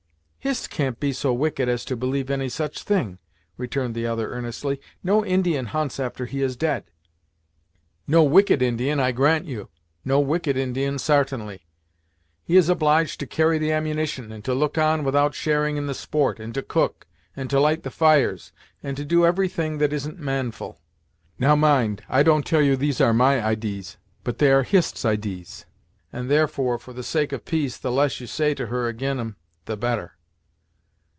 "Hist can't be so wicked as to believe any such thing," returned the other, earnestly. "No Indian hunts after he is dead." "No wicked Indian, I grant you; no wicked Indian, sartainly. He is obliged to carry the ammunition, and to look on without sharing in the sport, and to cook, and to light the fires, and to do every thing that isn't manful. Now, mind; I don't tell you these are my idees, but they are Hist's idees, and, therefore, for the sake of peace the less you say to her ag'in 'em, the better."